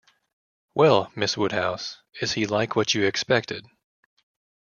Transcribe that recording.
Well, Miss Woodhouse, is he like what you expected?